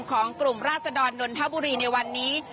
ของกลุ่มราศดรนนทบุรีในวันนี้